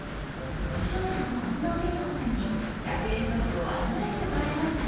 受賞者の近藤えり子さんに１００円ショップを案内してもらいました。